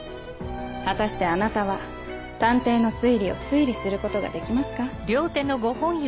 果たしてあなたは探偵の推理を推理することができますか？